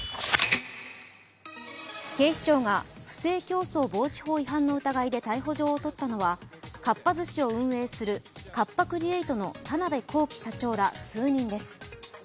警視庁が不正競争防止法違反の疑いで逮捕状をとったのはかっぱ寿司を運営するカッパ・クリエイトの田辺公己社長ら数人です。